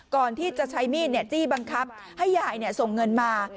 ก่อนที่จะใช้มีดจี้บังคับให้ยายส่งเงินมา